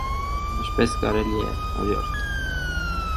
ինչպե՞ս կարելի է, օրիորդ.